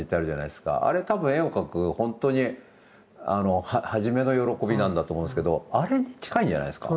あれ多分絵を描くほんとにはじめの喜びなんだと思うんですけどあれに近いんじゃないですか。